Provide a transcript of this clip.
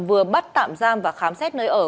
vừa bắt tạm giam và khám xét nơi ở